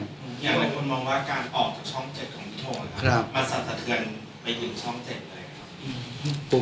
อยากให้คุณมองว่าการออกจากช่องเจ็ดของพี่โธ่ครับ